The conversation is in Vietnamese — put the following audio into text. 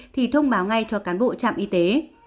thì thông báo ngay cho cán bộ trạm y tế